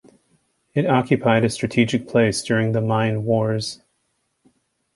It occupied a strategic place during the Mine Wars.